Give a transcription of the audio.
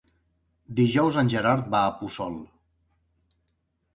Dijous en Gerard va a Puçol.